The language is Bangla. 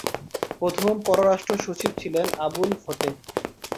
প্রথম পররাষ্ট্র সচিব ছিলেন আবুল ফতেহ।